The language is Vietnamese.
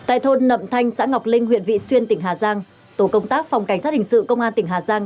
tại thôn nậm thanh xã ngọc linh huyện vị xuyên tỉnh hà giang tổ công tác phòng cảnh sát hình sự công an tỉnh hà giang